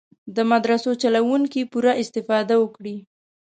د مدرسو چلوونکي پوره استفاده وکړي.